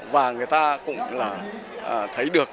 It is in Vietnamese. và người ta cũng là thấy được